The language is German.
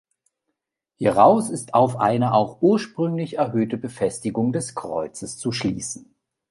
Hieraus ist auf eine auch ursprünglich erhöhte Befestigung des Kreuzes zu schließen.